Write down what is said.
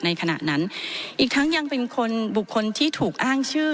ขณะนั้นอีกทั้งยังเป็นคนบุคคลที่ถูกอ้างชื่อ